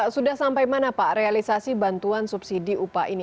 sudah sampai mana pak realisasi bantuan subsidi upah ini